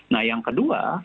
nah yang kedua